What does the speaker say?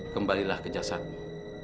kembalilah ke jasadmu